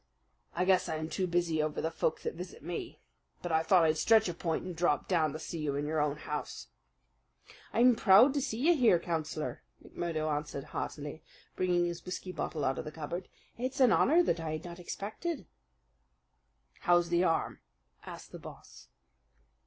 "I guess I am too busy over the folk that visit me. But I thought I'd stretch a point and drop down to see you in your own house." "I'm proud to see you here, Councillor," McMurdo answered heartily, bringing his whisky bottle out of the cupboard. "It's an honour that I had not expected." "How's the arm?" asked the Boss.